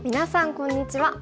こんにちは。